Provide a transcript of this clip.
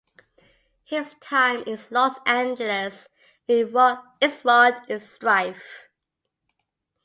His time in Los Angeles is wrought with strife.